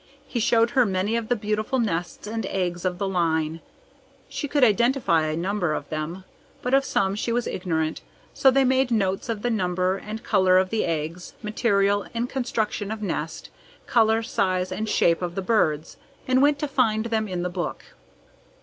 He showed her many of the beautiful nests and eggs of the line. She could identify a number of them, but of some she was ignorant, so they made notes of the number and color of the eggs, material, and construction of nest, color, size, and shape of the birds, and went to find them in the book.